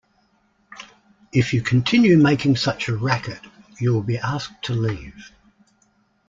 If you continue making such a racket, you will be asked to leave.